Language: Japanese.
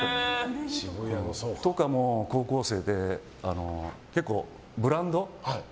高校生で結構、ブランド。